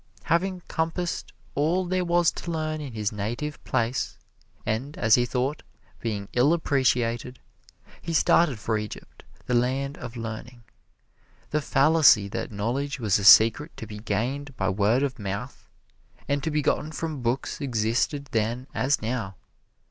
Having compassed all there was to learn in his native place, and, as he thought, being ill appreciated, he started for Egypt, the land of learning. The fallacy that knowledge was a secret to be gained by word of mouth and to be gotten from books existed then as now.